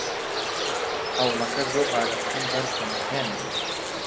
هەوڵەکەت بۆ پاراستنم بەرز دەنرخێنم.